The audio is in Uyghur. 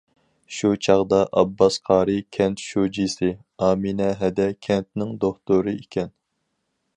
شۇ چاغدا ئابباس قارى كەنت شۇجىسى، ئامىنە ھەدە كەنتنىڭ دوختۇرى ئىكەن.